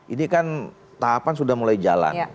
ini kan tahapan sudah mulai jalan